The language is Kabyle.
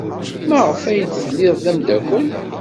Maɣef ay t-tlid d ameddakel?